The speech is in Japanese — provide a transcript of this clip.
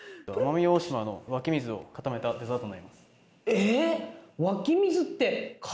えっ？